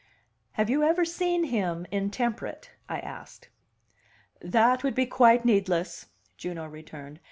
"Have you ever seen him intemperate?" I asked. "That would be quite needless," Juno returned.